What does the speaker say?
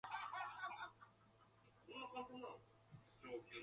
It was shown with the theatrical release of "Cars".